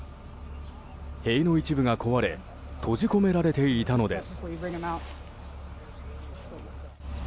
塀の一部が壊れ閉じ込められていたのです。